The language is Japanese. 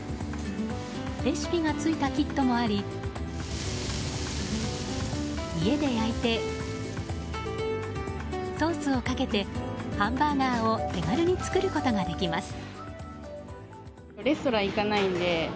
レシピがついたキットもあり家で焼いてソースをかけてハンバーガーを手軽に作ることができます。